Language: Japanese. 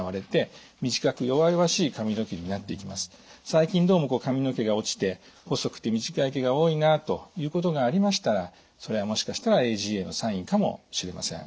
最近どうも髪の毛が落ちて細くて短い毛が多いなということがありましたらそれはもしかしたらＡＧＡのサインかもしれません。